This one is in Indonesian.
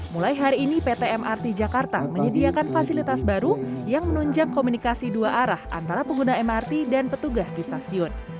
mulai hari ini pt mrt jakarta menyediakan fasilitas baru yang menunjang komunikasi dua arah antara pengguna mrt dan petugas di stasiun